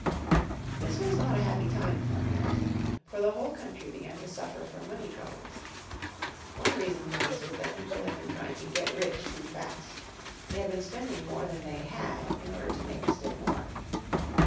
This was not a happy time for America, for the whole country began to suffer from money troubles. One reason for this was that people had been trying to get rich too fast. They had been spending more than they had in order to make still more.